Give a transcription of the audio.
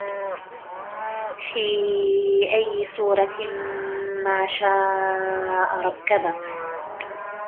فِي أَيِّ صُورَةٍ مَا شَاءَ رَكَّبَكَ